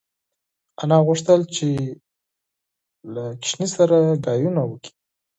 انا غوښتل چې له ماشوم سره خبرې وکړي.